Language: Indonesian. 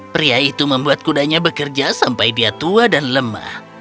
pria itu membuat kudanya bekerja sampai dia tua dan lemah